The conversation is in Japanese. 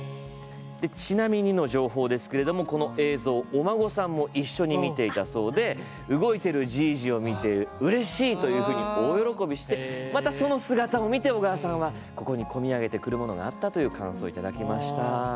ちなみにの情報ですけれどこの映像、お孫さんも一緒に見ていたそうで動いている、じいじを見てうれしいというふうに大喜びして、またその姿を見て小川さんは込み上げてくるものがあったという感想をいただきました。